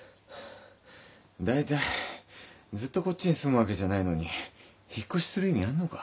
だいたいずっとこっちに住むわけじゃないのに引っ越しする意味あんのか？